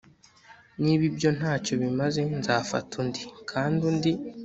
niba ibyo ntacyo bimaze nzafata undi, kandi undi